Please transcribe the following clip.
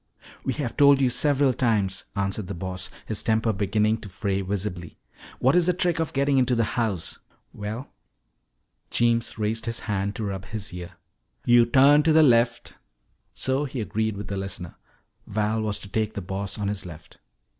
"We have told you several times," answered the Boss, his temper beginning to fray visibly. "What is the trick of getting into that house?" "Well," Jeems raised his hand to rub his ear, "yo' turn to the left " So he agreed with the listener. Val was to take the Boss on his left.